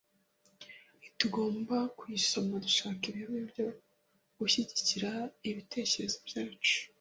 Ntitugomba kuyisoma dushaka ibihamya byo gushyigikira ibitekerezo byacu